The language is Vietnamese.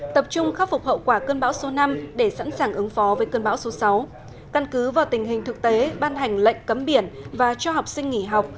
tập trung khắc phục hậu quả cơn bão số năm để sẵn sàng ứng phó với cơn bão số sáu căn cứ vào tình hình thực tế ban hành lệnh cấm biển và cho học sinh nghỉ học